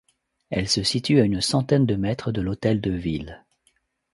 Elle se situe à une centaine de mètres de l'hôtel de ville.